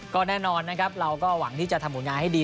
ก็แน่นอนนะครับเราก็หวังที่จะทำผลงานให้ดี